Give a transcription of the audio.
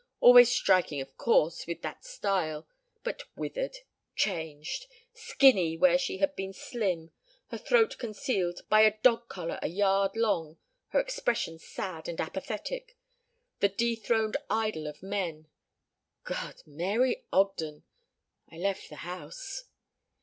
Always striking of course with that style, but withered, changed, skinny where she had been slim, her throat concealed by a dog collar a yard long her expression sad and apathetic the dethroned idol of men. God! Mary Ogden! I left the house."